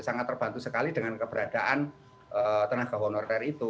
sangat terbantu sekali dengan keberadaan tenaga honorer itu